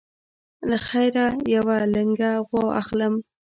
له خیره یوه لنګه غوا اخلم.